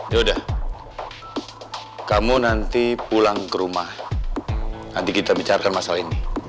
ya udah kamu nanti pulang ke rumah nanti kita bicarakan masalah ini